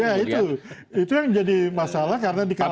iya itu itu yang jadi masalah karena dikalahkan